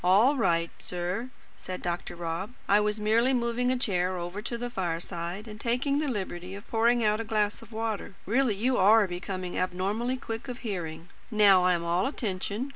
"All right, sir," said Dr. Rob. "I was merely moving a chair over to the fireside, and taking the liberty of pouring out a glass of water. Really you are becoming abnormally quick of hearing. Now I am all attention.